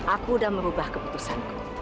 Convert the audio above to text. aku udah merubah keputusanku